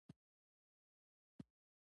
دینګ ډېر ژر خپلې څرګندونې عملاً ولیدې.